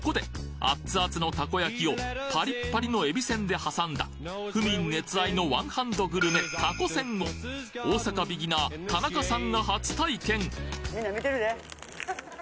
アッツアツのたこ焼きをパリッパリのえびせんで挟んだ府民熱愛のワンハンドグルメたこせんを大阪ビギナー田中さんが初体験みんな見てるで。